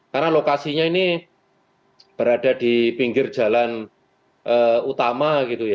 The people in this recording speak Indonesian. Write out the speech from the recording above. karena lokasinya ini berada di pinggir jalan utama